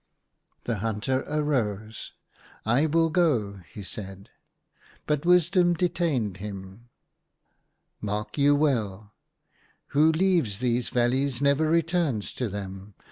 The hunter arose. " I will go," he said. 3 34 THE HUNTER. But Wisdom detained him. " Mark you well — who leaves these valleys never returns to them.